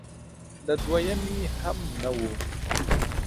د دویمې هم نه و